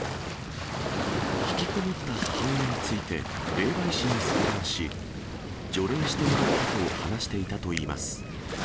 引きこもった母親について、霊媒師に相談し、除霊してもらったと話していたといいます。